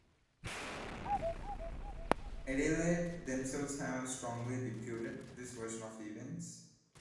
Adelaide themselves have "strongly disputed" this version of events.